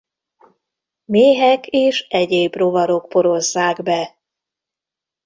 Méhek és egyéb rovarok porozzák be.